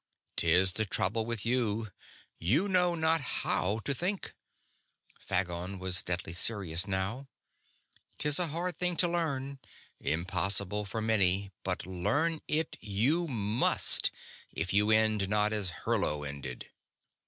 "'Tis the trouble with you you know not how to think." Phagon was deadly serious now. "'Tis a hard thing to learn; impossible for many; but learn it you must if you end not as Hurlo ended.